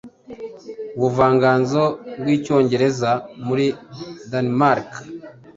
ubuvanganzo bwicyongereza muri Danimarike